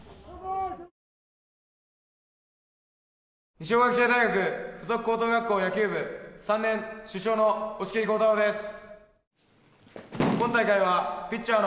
二松学舎大学付属高等学校野球部３年主将の押切康太郎です。